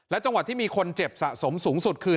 และจังหวัดที่มีคนเจ็บสะสมสูงสุดคือ